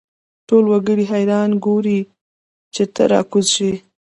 ټول وګړي حیران ولاړ ګوري چې ته را کوز شې.